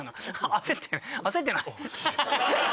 焦ってない？